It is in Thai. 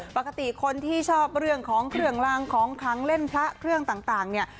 ปกติคนที่ชอบเรื่องของเครื่องลางของขังเล่นพระเครื่องต่างเนี่ย